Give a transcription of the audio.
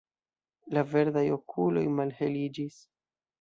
La verdaj okuloj malheliĝis.